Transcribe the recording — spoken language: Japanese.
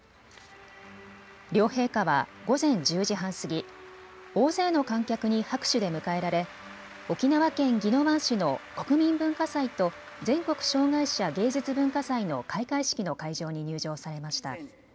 両陛下は午前１０時半過ぎ、大勢の観客に拍手で迎えられ沖縄県宜野湾市の国民文化祭と全国障害者芸術・文化祭の開会式の会場に入場されました。